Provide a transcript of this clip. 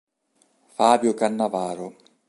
Fabio Cannavaro